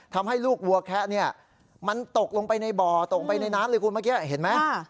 ทำให้ลูกวัวแคะเนี่ยมันตกลงไปในบ่อตกไปในน้ำเลยคุณเมื่อกี้เห็นไหม